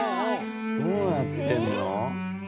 どうなってるの？